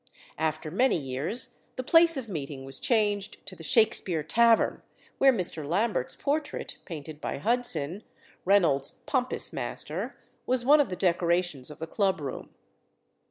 After many years the place of meeting was changed to the Shakspere Tavern, where Mr. Lambert's portrait, painted by Hudson, Reynolds's pompous master, was one of the decorations of the club room.